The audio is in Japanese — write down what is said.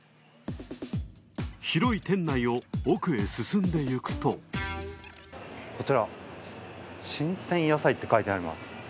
広い店内を奥へ進んでいくとこちら、「新鮮野菜」って書いてあります。